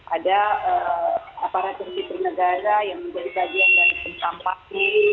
ada aparatur sipil negara yang menjadi bagian dari kampanye